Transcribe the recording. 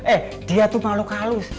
eh dia tuh malu kaus